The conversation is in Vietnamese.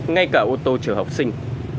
ngay cả ô tô chở học sinh